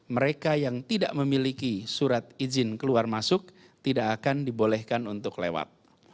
mereka yang tidak memiliki surat izin keluar masuk tidak akan dibolehkan untuk lewat